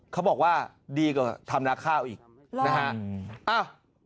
เขาบอกว่าดีกว่าทำรักข้าวอีกนะฮะหรออ่า